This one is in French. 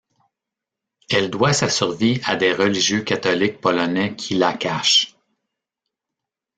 Elle doit sa survie à des religieux catholiques polonais qui la cachent.